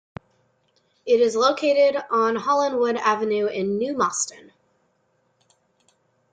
It is located on Hollinwood Avenue, in New Moston.